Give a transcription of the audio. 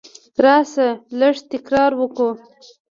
راسه! لږ تکرار وکو.